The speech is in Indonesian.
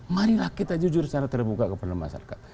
marilah kita jujur secara terbuka kepada masyarakat